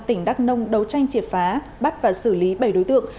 tỉnh đắk nông đấu tranh triệt phá bắt và xử lý bảy đối tượng